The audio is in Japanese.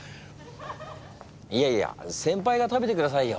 いやいや先輩が食べてくださいよ。